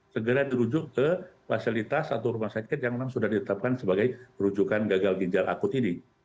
segera dirujuk ke fasilitas atau rumah sakit yang memang sudah ditetapkan sebagai rujukan gagal ginjal akut ini